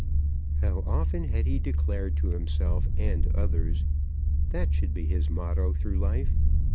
How often had he declared to himself and others that that should be his motto through life.